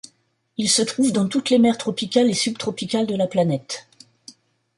Ils se trouvent dans toutes les mers tropicales et subtropicales de la planète.